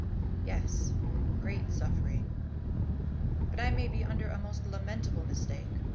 "Yes; great suffering. But I may be under a most lamentable mistake.